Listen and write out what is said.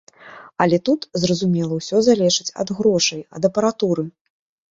Але тут, зразумела, усё залежыць ад грошай, ад апаратуры.